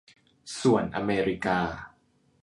ส่วนอเมริกา